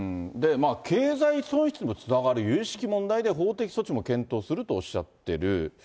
経済損失にもつながるゆゆしき問題で、法的措置も検討するとおっしゃっている。